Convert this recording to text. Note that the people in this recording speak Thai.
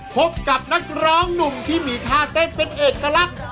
พบกับนักร้องหนุ่มที่มีท่าเต้นเป็นเอกลักษณ์